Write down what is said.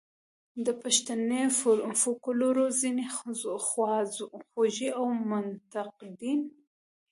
د پښتني فوکلور ځینې خواخوږي او منتقدین.